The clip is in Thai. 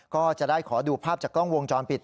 ก็จะได้ขอดูภาพจากกล้องวงจรปิด